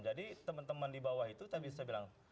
jadi teman teman di bawah itu tapi saya bilang